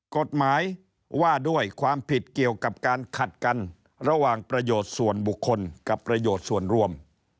กฎหมายว่าด้วยความผิดเกี่ยวกับการขัดกันระหว่างประโยชน์ส่วนบุคคลกับประโยชน์ส่วนรวม